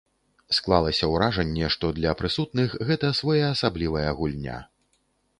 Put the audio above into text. Склалася ўражанне, што для прысутных гэта своеасаблівая гульня.